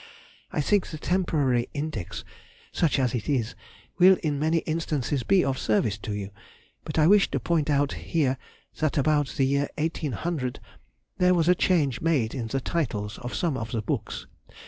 I think the temporary index (such as it is) will in many instances be of service to you, but I wish to point out here that about the year 1800 there was a change made in the titles of some of the books.